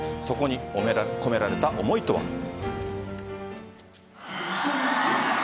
そこに込められた思いとは。